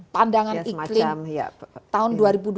pandangan iklim tahun dua ribu dua puluh tiga